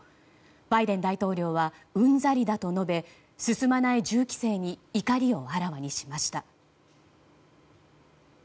バイデン大統領はうんざりだと述べ進まない銃規制に怒りをあらわにしました。